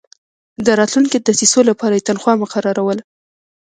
د راتلونکو دسیسو لپاره یې تنخوا مقرروله.